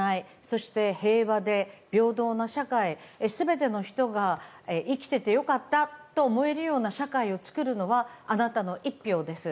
そして平和で平等な社会全ての人が生きててよかったと思えるような社会を作るのはあなたの１票です。